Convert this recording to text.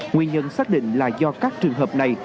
nguyên nhân xác định là do các trường hợp này